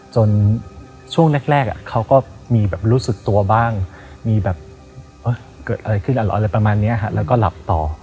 ช่วงแรกเขาก็มีแบบรู้สึกตัวบ้างมีแบบเกิดอะไรขึ้นเหรออะไรประมาณนี้แล้วก็หลับต่อ